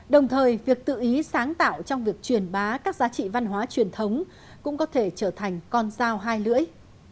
đồng thời việc tự ý sáng tạo trong việc truyền bá các giá trị văn hóa truyền thống cũng có thể trở thành con dao hai lưỡi